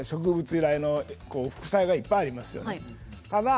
由来の副菜がいっぱいあります。